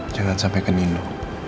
jangan sampai ke nino